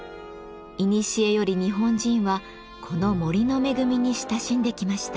いにしえより日本人はこの森の恵みに親しんできました。